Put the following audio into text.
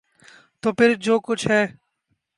تو پھر جو کچھ ہے۔